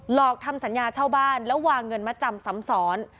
หลอกทำสัญญาเช่าบ้านแล้ววางเงินมะจำสำสรรค์